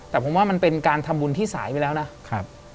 แต่ผมว่ามันเป็นการทำบุญที่สายไปแล้วนะครับ